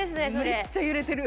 めっちゃ揺れてる。